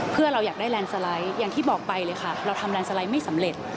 เพื่อเราอยากได้แลนด์สไลด์อย่างที่บอกไปเลยค่ะเราทำแลนดสไลด์ไม่สำเร็จ